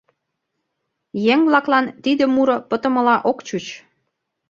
Еҥ-влаклан тиде муро пытымыла ок чуч.